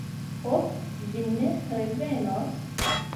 Ho, vi ne revenos...